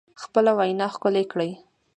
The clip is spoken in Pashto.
خپله وینا ښکلې کړئ